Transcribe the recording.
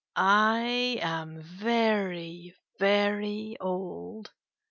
I am very, very old.